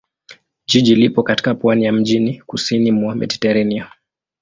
Jiji lipo katika pwani ya mjini kusini mwa Mediteranea.